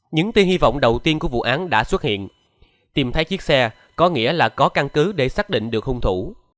những tiên hy vọng đầu tiên của vụ án đã xuất hiện tìm thấy chiếc xe có nghĩa là có căn cứ để xác định được hung thủ